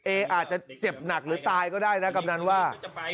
เออาจจะเจ็บหนักหรือตายก็ได้นะกำนันว่า